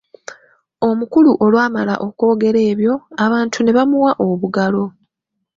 Omukulu olwamala okwogera ebyo, abantu ne bamuwa obugalo.